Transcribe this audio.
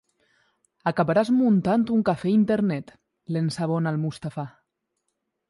Acabaràs muntant un cafè Internet—l'ensabona el Mustafà.